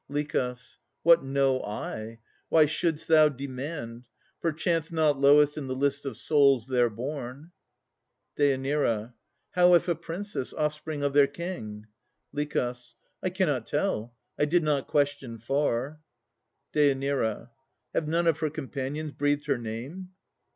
LICH. What know I? Why should'st thou demand? Perchance Not lowest in the list of souls there born. DÊ. How if a princess, offspring of their King? LICH. I cannot tell. I did not question far. DÊ. Have none of her companions breathed her name?